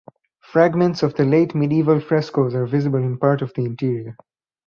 Fragments of the late medieval frescoes are visible in part of the interior.